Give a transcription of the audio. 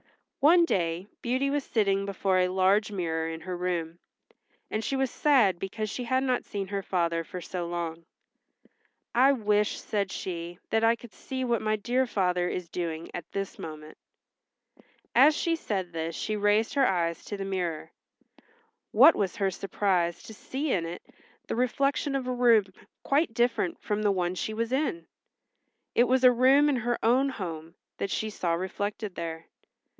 One day Beauty was sitting before a large mirror in her room, and she was sad because she had not seen her father for so long. "I wish," said she, "that I could see what my dear father is doing at this moment." As she said this she raised her eyes to the mirror. What was her surprise to see in it the reflection of a room quite different from the one she was in. It was a room in her own home that she saw reflected there.